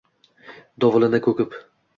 Dovulini kokib.